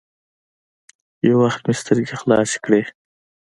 يو وخت مې سترګې خلاصې کړې.